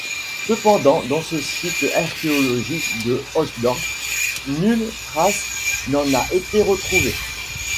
Cependant dans le site archéologique de Hochdorf, nulle trace n'en a été retrouvée.